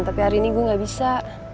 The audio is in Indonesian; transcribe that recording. tapi hari ini gue gak bisa